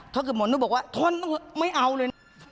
ถ้าเกือบหมดแล้วบอกว่าทนไม่เอาเลยนะ